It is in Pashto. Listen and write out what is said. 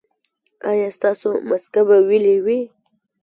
ایا ستاسو مسکه به ویلې وي؟